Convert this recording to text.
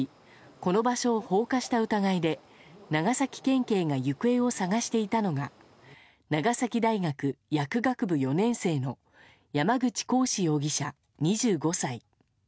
この場所を放火した疑いで長崎県警が行方を捜していたのが長崎大学薬学部４年生の山口鴻志容疑者、２５歳。